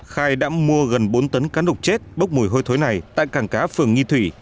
khai đã mua gần bốn tấn cá nục chết bốc mùi hôi thối này tại càng cá phường nghị thủy